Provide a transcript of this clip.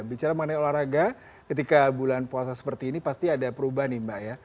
bicara mengenai olahraga ketika bulan puasa seperti ini pasti ada perubahan nih mbak ya